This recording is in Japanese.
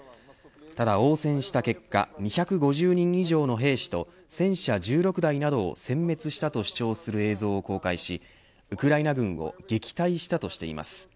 ただ、応戦した結果２５０人以上の兵士と戦車１６台などをせん滅したと主張する映像を公開しウクライナ軍を撃退したとしています。